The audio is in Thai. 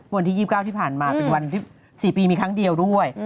วันที่๒๙ที่ผ่านมาเป็นวันที่๔ปีมีครั้งเดียวด้วย